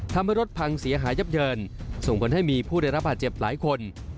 ทำให้รถพังเสียหายับเยินส่งผลให้มีผู้ได้รับบาดเจ็บหลายคน